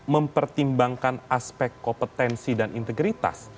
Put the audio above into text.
mempertimbangkan aspek kompetensi dan integritas